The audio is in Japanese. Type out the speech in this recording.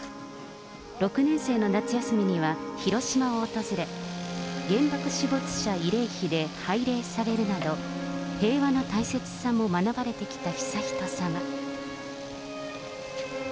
６年生の夏休みには広島を訪れ、原爆死没者慰霊碑で拝礼されるなど、平和の大切さも学ばれてきた悠仁さま。